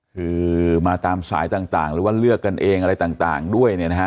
คือมาตามสายต่างหรือว่าเลือกกันเองอะไรต่างด้วยเนี่ยนะฮะ